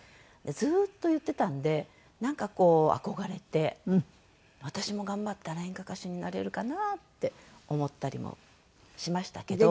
ずっと言ってたんでなんかこう憧れて私も頑張ったら演歌歌手になれるかなって思ったりもしましたけど。